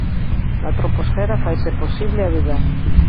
Na troposfera faise posible a vida.